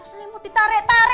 selalu mau ditare tare